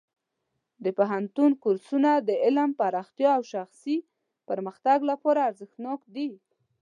د پوهنتون کورسونه د علم پراختیا او شخصي پرمختګ لپاره ارزښتناک دي.